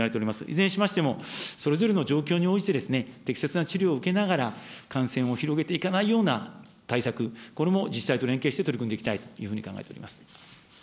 いずれにしましても、それぞれの状況に応じて、適切な治療を受けながら、感染を広げていかないような対策、これも自治体と連携して、取り組んでいきたいというふうに考えております。